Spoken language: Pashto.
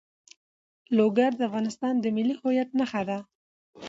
لوگر د افغانستان د ملي هویت نښه ده.